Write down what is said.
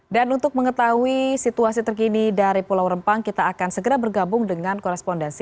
dan untuk mengetahui situasi terkini dari pulau rempang kita akan segera bergabung dengan korespondensi